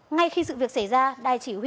ngay khi sự việc xảy ra